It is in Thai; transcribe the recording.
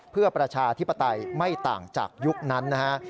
เพื่อประชาธิปไตยไม่ต่างจากยุคนั้นนะฮะ